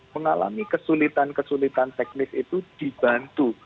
mengalami kesulitan kesulitan teknis itu dibantu